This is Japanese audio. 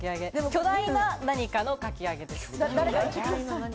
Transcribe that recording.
巨大な何かのかき揚げです。